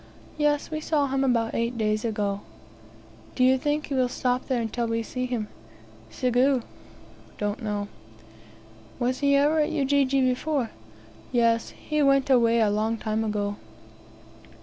"Yes, we saw him about eight days ago." "Do you think he will stop there until we see him?" "Sigue" (don't know). "Was he ever at Ujiji before?" "Yes, he went away a long time ago."